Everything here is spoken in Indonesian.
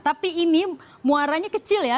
tapi ini muaranya kecil ya